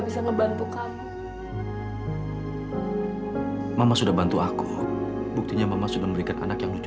semaya ada yang merinduti